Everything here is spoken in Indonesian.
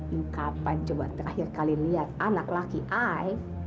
you kapan coba terakhir kali liat anak laki ayah